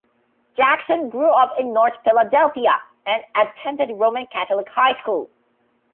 Jackson grew up in North Philadelphia and attended Roman Catholic High School.